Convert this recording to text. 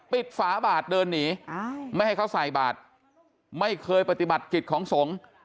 ฝาบาทเดินหนีไม่ให้เขาใส่บาทไม่เคยปฏิบัติกิจของสงฆ์